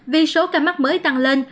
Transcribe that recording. vì số ca mắc mới tăng lên